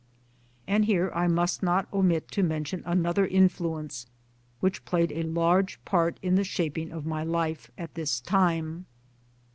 And here I must not omit to mention another influence which played a large part in the shaping of my life at this time.